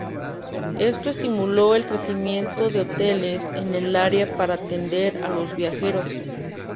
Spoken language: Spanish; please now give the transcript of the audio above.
Esto estimuló el crecimiento de hoteles en el área para atender a los viajeros.